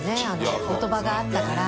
お言葉があったから。